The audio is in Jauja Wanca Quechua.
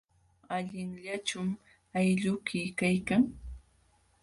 ¿Allinllachum aylluyki kaykan?